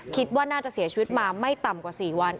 คิดว่าน่าจะเสียชีวิตมาไม่ต่ำกว่า๔วัน